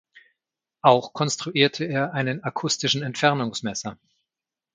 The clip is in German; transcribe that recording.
Auch konstruierte er einen akustischen Entfernungsmesser.